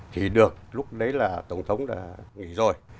thì được lúc đấy là tổng thống đã nghỉ rồi